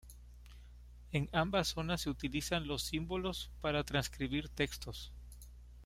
En ambas zonas se utilizan los símbolos han para transcribir textos.